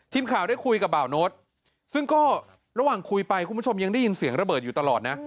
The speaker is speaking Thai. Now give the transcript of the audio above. ทีมข่าวได้คุยกับบ่าวโน้ตซึ่งก็ระหว่างคุยไปคุณผู้ชมยังได้ยินเสียงระเบิดอยู่ตลอดนะ